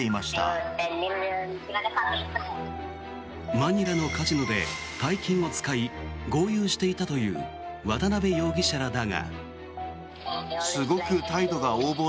マニラのカジノで大金を使い豪遊していたという渡邉容疑者だが。